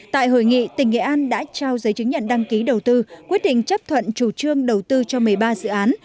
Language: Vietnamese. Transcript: tại hội nghị tỉnh nghệ an đã trao giấy chứng nhận đăng ký đầu tư quyết định chấp thuận chủ trương đầu tư cho một mươi ba dự án